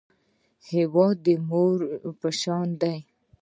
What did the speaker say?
هېواد د مور په شان دی